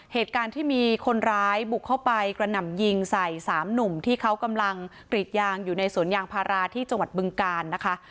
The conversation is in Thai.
เหตุการณ์ที่มีคนร้ายบุกเข้าไปกระหน่ำยิงใส่สามหนุ่มที่เขากำลังกรีดยางอยู่ในสวนยางพาราที่จังหวัดบึงการนะคะ